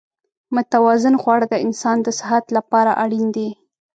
متوازن خواړه د انسان د صحت لپاره اړین دي.